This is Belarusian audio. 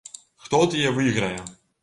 Хто ад яе выйграе?